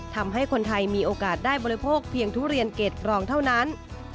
ทำให้คนไทยมีโอกาสได้บริโภคเพียงทุเรียนเกรดกรองเท่านั้น